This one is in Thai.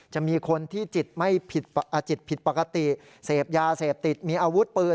จะมีคนที่จิตผิดปกติเสพยาเสพติดมีอาวุธปืน